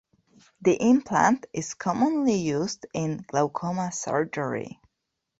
The implant is commonly used in glaucoma surgery.